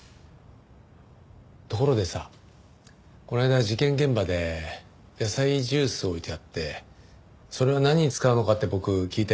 ところでさこの間事件現場で野菜ジュース置いてあってそれを何に使うのかって僕聞いたよね？